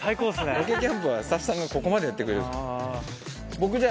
ロケキャンプは、スタッフさんがここまでやってくれる。